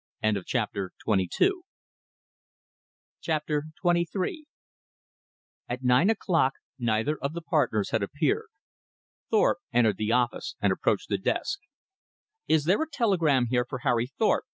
Chapter XXIII At nine o'clock neither of the partners had appeared. Thorpe entered the office and approached the desk. "Is there a telegram here for Harry Thorpe?"